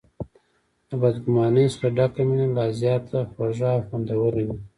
د بد ګمانۍ څخه ډکه مینه لا زیاته خوږه او خوندوره وي.